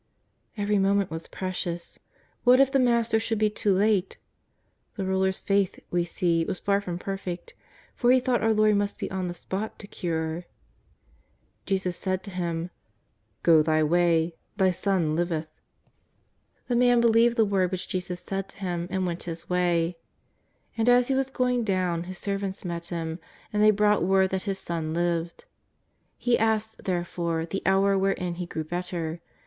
Every moment was precious. What if the Master should be too late ! The ruler's faith, we see, was far from perfect, for he thought our Lord must be on the spot to cure. Jesus said to him :" Go thy way, thy son liveth.^^ 164: JESUS OF NAZARETH. The man believed the word which Jesus said to him and went his way. And as he was going down his servants met him, and they brought word that his son lived. He asked, therefore, the hour wherein he grew better.